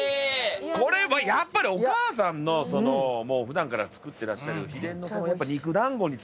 これやっぱりお母さんの普段から作ってらっしゃる秘伝の肉団子に尽きますね。